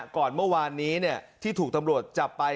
ก่อนเมื่อวานนี้ที่ถูกตำรวจจับไป